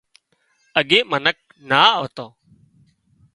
اڳي منک نا آوتان